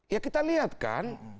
ya kita lihat kan